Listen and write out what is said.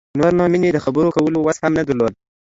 نور نو مينې د خبرو کولو وس هم نه درلود.